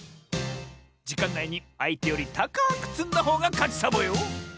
じかんないにあいてよりたかくつんだほうがかちサボよ！